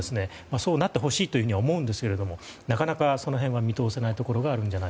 そうなってほしいとは思うんですけれどもなかなか、その辺は見通せないところがあるのではと。